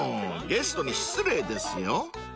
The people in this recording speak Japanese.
ゲストに失礼ですよ］